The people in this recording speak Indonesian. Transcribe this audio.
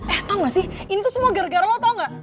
eh tau gak sih ini tuh semua gara gara lo tau gak